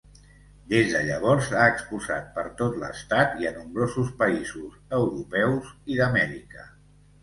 Des de llavors, ha exposat per tot l'Estat i a nombrosos països europeus i d'Amèrica.